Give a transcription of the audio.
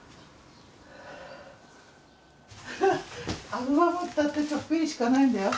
アルバムったってちょっぴりしかないんだよ。